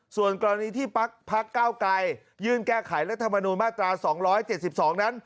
ส่วนกรณีที่พักเก้าไกรยื่นแก้ไขรัฐมนูลมาตรา๒๗๒นั้น